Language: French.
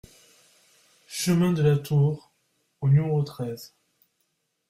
CHEMIN DE LA TOUR au numéro treize